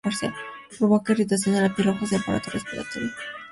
Provoca irritación en piel, ojos y aparato respiratorio.